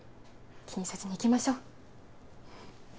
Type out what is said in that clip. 気にせずに行きましょう。